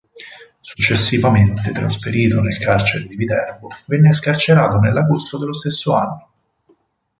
Successivamente trasferito nel carcere di Viterbo, venne scarcerato nell'agosto dello stesso anno.